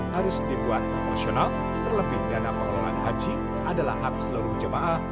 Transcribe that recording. harus dibuat proporsional terlebih dana pengelolaan haji adalah hak seluruh jemaah